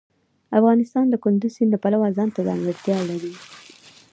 افغانستان د کندز سیند د پلوه ځانته ځانګړتیا لري.